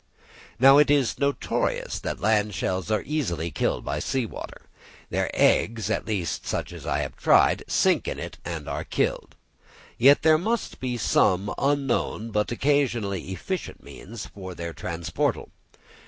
Now it is notorious that land shells are easily killed by sea water; their eggs, at least such as I have tried, sink in it and are killed. Yet there must be some unknown, but occasionally efficient means for their transportal.